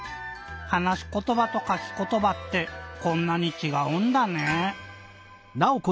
はなしことばとかきことばってこんなにちがうんだね。